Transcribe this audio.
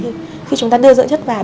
thì khi chúng ta đưa dưỡng chất vào